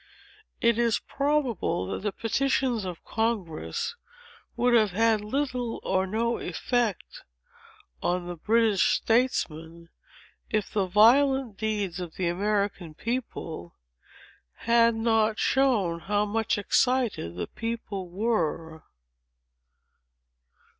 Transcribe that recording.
It is probable that the petitions of Congress would have had little or no effect on the British statesmen, if the violent deeds of the American people had not shown how much excited the people were.